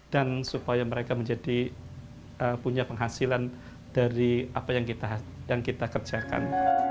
dan supaya mereka menjadi punya penghasilan dari apa yang kita kerjakan